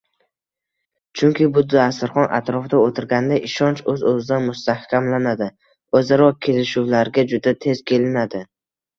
Chunki bir dasturxon atrofida oʻtirganda ishonch oʻz-oʻzidan mustahkamlanadi, oʻzaro kelishuvlarga juda tez kelinadi.